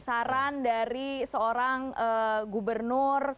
saran dari seorang gubernur